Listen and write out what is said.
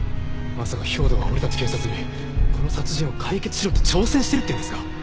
まさか兵働は俺たち警察にこの殺人を解決しろと挑戦してるっていうんですか？